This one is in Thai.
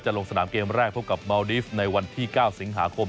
ลงสนามเกมแรกพบกับเมาดีฟในวันที่๙สิงหาคม